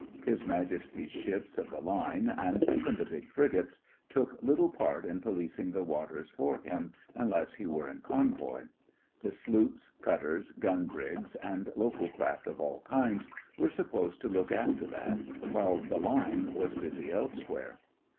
His Majesty's ships of the Line, and even the big frigates, took little part in policing the waters for him, unless he were in convoy. The sloops, cutters, gun brigs, and local craft of all kinds were supposed to look after that, while the Line was busy elsewhere.